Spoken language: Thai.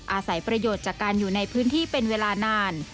อาศัยประโยชน์จากการอยู่ในพื้นที่เป็นเวลานาน